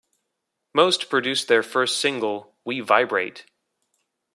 Most produced their first single, "We Vibrate".